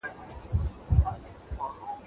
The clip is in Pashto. زعفران د اقتصاد لپاره سور زر دي.